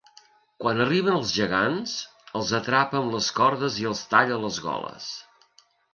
Quan arriben els gegants, els atrapa amb les cordes i els talla les goles.